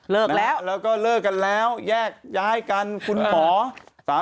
แล้วแล้วก็เลิกกันแล้วแยกย้ายกันคุณหมอ